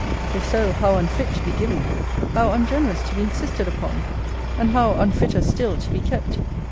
If so, how unfit to be given! how ungenerous to be insisted upon! And how unfitter still to be kept!